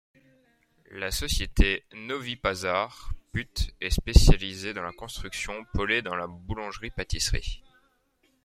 La société Novi Pazar put est spécialisée dans la construction, Polet dans la boulangerie-pâtisserie.